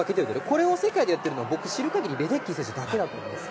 これを世界でやっているのは僕が知る限りレデッキー選手だけだと思うんです。